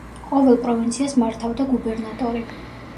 ყოველ პროვინციას მართავდა გუბერნატორი.